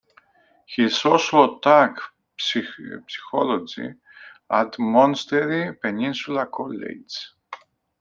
He also taught psychology at Monterey Peninsula College.